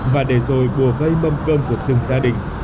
và để rồi bùa vây mâm cơm của từng gia đình